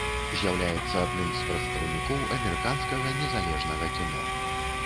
З'яўляецца адным з прадстаўнікоў амерыканскага незалежнага кіно.